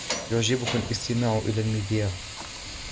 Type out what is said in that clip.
يعجبه الاستماع إلى المذياع.